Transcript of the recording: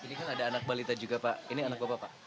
ini kan ada anak balita juga pak ini anak bapak pak